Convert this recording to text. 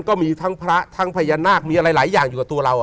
ก็มีทั้งพระทั้งพญานาคมีอะไรหลายอย่างอยู่กับตัวเรา